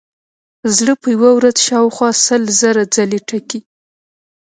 زړه په یوه ورځ شاوخوا سل زره ځلې ټکي.